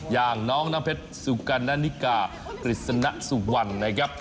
อย่างน้องน้ำเพชรสุกัณฑิกากฤษณสุวรรณนะครับ